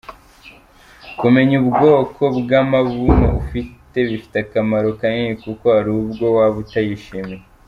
Kumenya ubwoko bw’amabuno ufite bifite akamaro kanini kuko hari ubwo waba utayishimiye.